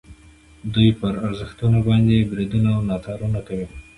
دوی پر ارزښتونو باندې بریدونه او ناتارونه کوي.